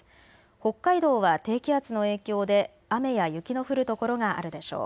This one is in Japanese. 北海道は低気圧の影響で雨や雪の降る所があるでしょう。